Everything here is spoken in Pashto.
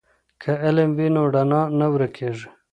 که علم وي نو رڼا نه ورکیږي.